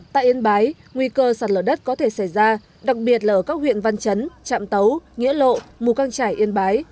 tại yên bái nguy cơ sạt lở đất có thể xảy ra đặc biệt là ở các huyện văn chấn trạm tấu nghĩa lộ mù mù căng trải yên bái